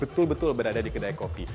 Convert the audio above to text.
betul betul berada di kedai kopi